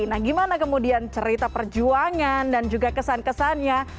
nah gimana kemudian cerita perjuangan dan juga kesan kesannya